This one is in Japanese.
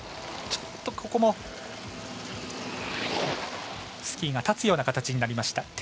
ここもスキーが立つような形になりました。